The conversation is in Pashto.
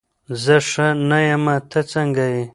زه ښه نه یمه، ته څنګه یې؟